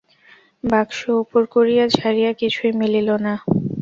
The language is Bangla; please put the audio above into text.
বাক্স উপুড় করিয়া ঝাড়িয়া কিছুই মিলিল না।